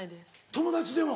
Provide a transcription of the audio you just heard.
友達でも？